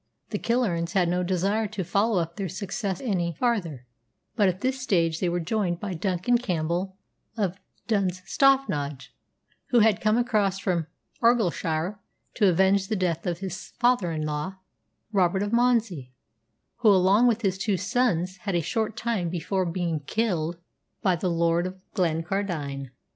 The Killearns had no desire to follow up their success any farther, but at this stage they were joined by Duncan Campbell of Dunstaffnage, who had come across from Argyllshire to avenge the death of his father in law, Robert of Monzie, who, along with his two sons, had a short time before been killed by the Lord of Glencardine.